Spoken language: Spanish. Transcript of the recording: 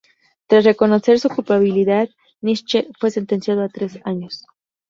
Tras reconocer su culpabilidad, Nitzsche fue sentenciado a tres años.